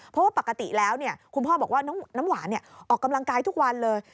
เพราะว่าปกติแล้วคุณพ่อบอกว่าน้ำหวานออกกำลังกายทุกวันเลย